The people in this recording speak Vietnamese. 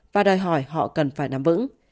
và đòi hỏi họ cần phải nắm vững